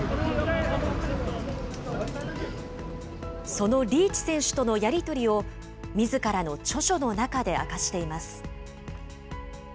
そのリーチ選手とのやり取りを、みずからの著書の中で明かしています。